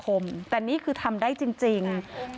เป็นพระรูปนี้เหมือนเคี้ยวเหมือนกำลังทำปากขมิบท่องกระถาอะไรสักอย่าง